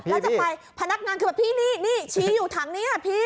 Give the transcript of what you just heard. พี่พี่ให้จากไปพนักงานคือแบบพี่นี่นี่ชี้อยู่ถังนี้ค่ะพี่